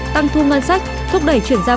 tăng thu ngân sách thúc đẩy chuyển gia công